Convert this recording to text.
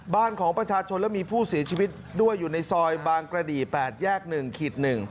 บ้านของประชาชนและมีผู้เสียชีวิตด้วยอยู่ในซอยบางกระดี๘แยก๑๑